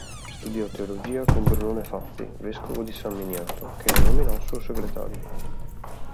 Studiò teologia con Brunone Fazzi, vescovo di San Miniato, che lo nominò suo segretario.